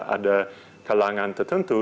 ada kalangan tertentu